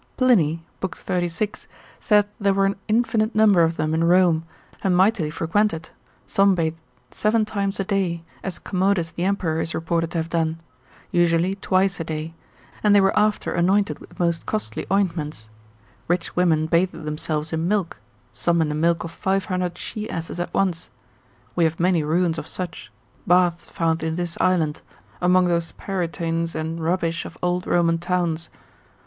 Plin. 36. saith there were an infinite number of them in Rome, and mightily frequented; some bathed seven times a day, as Commodus the emperor is reported to have done; usually twice a day, and they were after anointed with most costly ointments: rich women bathed themselves in milk, some in the milk of five hundred she asses at once: we have many ruins of such, baths found in this island, amongst those parietines and rubbish of old Roman towns.